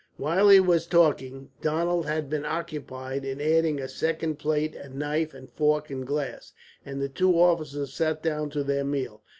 While he was talking, Donald had been occupied in adding a second plate and knife and fork and glass, and the two officers sat down to their meal.